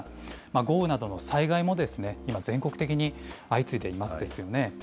豪雨などの災害も今、全国的に相次いでいますですよね。